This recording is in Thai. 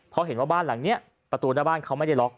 เพราะเห็นว่าบ้านหลังนี้ประตูหน้าบ้านเขาไม่ได้ล็อก